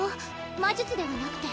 魔術ではなくて？